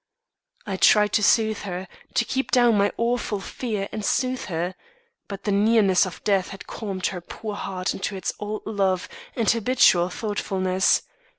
"I tried to soothe her to keep down my awful fear and soothe her. But the nearness of death had calmed her poor heart into its old love and habitual thoughtfulness.